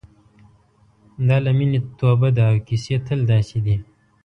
دا له مینې توبه ده او کیسې تل داسې دي.